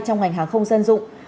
trong ngành hàng không dân dụng